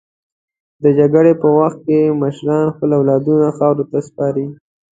د جګړې په وخت کې مشران خپل اولادونه خاورو ته سپاري.